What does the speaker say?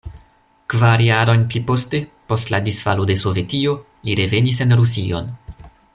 Kvar jarojn pliposte, post la disfalo de Sovetio, li revenis en Rusion.